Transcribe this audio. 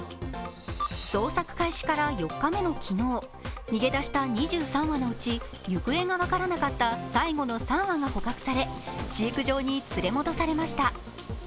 捜索開始から４日目の昨日、逃げ出した２３羽のうち行方がわからなかった最後の３羽が捕獲され飼育場に連れ戻されました。